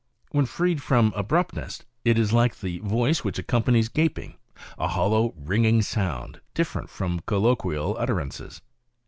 When freed from abruptness it is like the voice which accompanies gaping, a hollow ringing sound, different from colloquial utterances."